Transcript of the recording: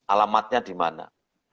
alamatnya di mana